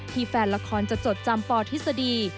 แฟนละครจะจดจำปทฤษฎี